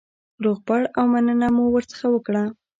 روغبړ او مننه مو ورڅخه وکړه.